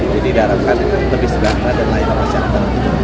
jadi diharapkan lebih sederhana dan layak masyarakat